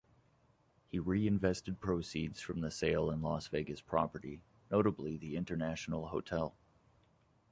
He reinvested proceeds from the sale in Las Vegas property, notably the International Hotel.